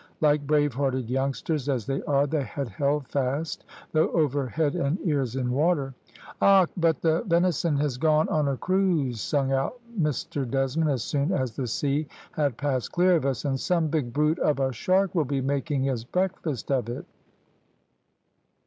Like brave hearted youngsters as they are they had held fast, though over head and ears in water. `Och, but the venison has gone on a cruise,' sung out Mr Desmond, as soon as the sea had passed clear of us, `and some big brute of a shark will be making his breakfast of it.'